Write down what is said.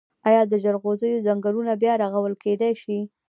آیا د جلغوزیو ځنګلونه بیا رغول کیدی شي؟